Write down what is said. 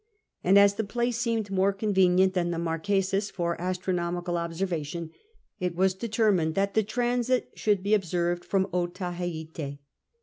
And as the place seemed more convenient than the Marquesas for astronomical observation, it was determined that the transit should be observed from Otaheite.